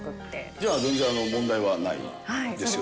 じゃあ、全然問題はないですよね？